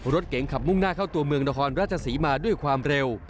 รถเก๋งขับมุ่งหน้าเข้าตัวเมืองนครราชศรีมาด้วยความเร็ว